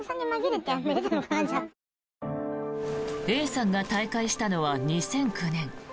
Ａさんが退会したのは２００９年。